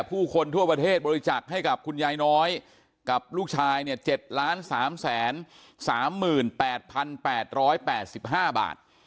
ผู้คนทั่วประเทศบริจักษ์ให้กับคุณยายน้อยกับลูกชาย๗๓๓๘๘๕บาท